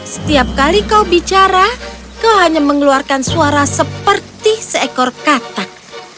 setiap kali kau bicara kau hanya mengeluarkan suara seperti seekor katak